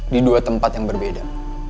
di dua tempat yang berbeda